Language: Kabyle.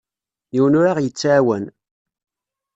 Yiwen ur aɣ-yettɛawan.